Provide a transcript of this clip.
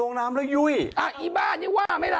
ลงนี้ว่าไหมละ